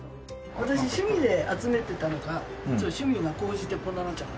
私趣味で集めてたのが趣味が高じてこんなになっちゃった。